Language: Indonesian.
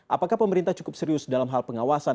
apakah pemerintah cukup serius dalam hal pengawasan